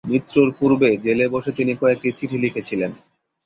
মৃত্যুর পূর্বে জেলে বসে তিনি কয়েকটি চিঠি লিখেছিলেন।